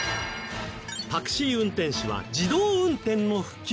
タクシー運転手は自動運転の普及で。